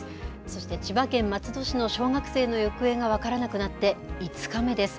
そして千葉県松戸市の小学生の行方が分からなくなって５日目です。